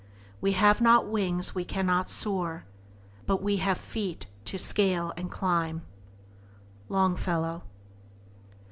We have not wings, we cannot soar; But we have feet to scale and climb. —Longfellow.